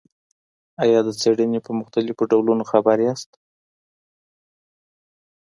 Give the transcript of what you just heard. آیا د څېړني په مختلفو ډولونو خبر یاست؟